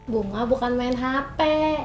bunga bukan main hp